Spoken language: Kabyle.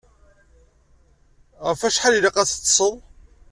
Ɣef wacḥal i ilaq ad teṭṭseḍ?